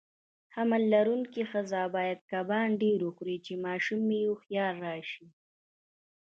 حمل لرونکي خزه باید کبان ډیر وخوري، چی ماشوم یی هوښیار راشي.